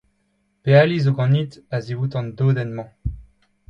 Pe ali zo ganit a-zivout an dodenn-mañ ?